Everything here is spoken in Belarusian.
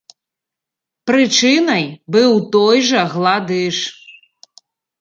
Прычынай быў той жа гладыш.